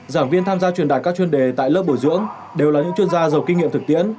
giảng viên tham gia truyền đạt các chuyên đề tại lớp bồi dưỡng đều là những chuyên gia giàu kinh nghiệm thực tiễn